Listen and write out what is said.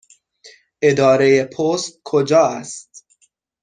اداره پست کجا است؟